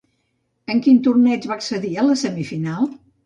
En quin torneig va accedir a la semifinal?